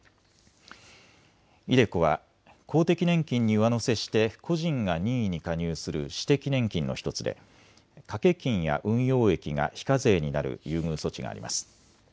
ｉＤｅＣｏは公的年金に上乗せして個人が任意に加入する私的年金の１つで掛金や運用益が非課税になる優遇措置があります。